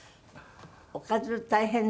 おかず大変ね